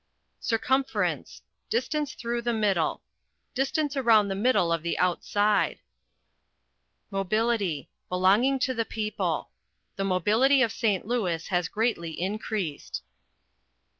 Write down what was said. Circumference Distance through the middle: Distance around the middle of the outside. Mobility Belonging to the people: The mobility of St. Louis has greatly increased.